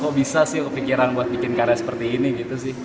kok bisa sih kepikiran buat bikin karya seperti ini gitu sih